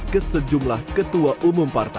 ke sejumlah ketua umum partai